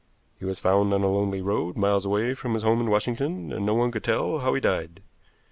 He was found on a lonely road miles away from his home in Washington, and no one could tell how he died.